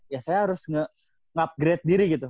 ya saya harus nge upgrade diri gitu